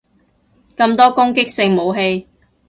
咁多攻擊性武器